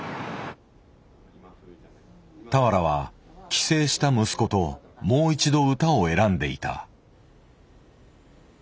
俵は帰省した息子ともう一度歌を選んでいた。